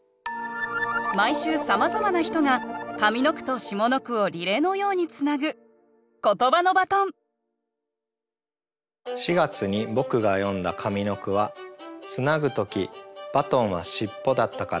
毎週さまざまな人が上の句と下の句をリレーのようにつなぐ４月に僕が詠んだ上の句は「つなぐときバトンはしっぽだったから」。